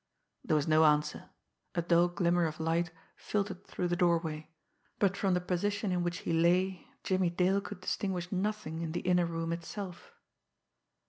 There was no answer. A dull glimmer of light filtered through the doorway, but from the position in which he lay Jimmie Dale could distinguish nothing in the inner room itself.